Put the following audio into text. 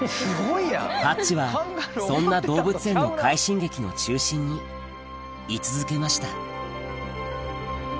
ハッチはそんな動物園の快進撃の中心に居続けました